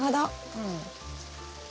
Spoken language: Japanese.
うん。